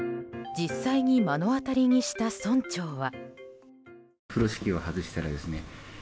実際に目の当たりにした村長は。